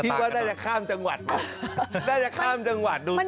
หรือว่าได้จะข้ามจังหวัดหรงได้จะข้ามจังหวัดดูสมบัติ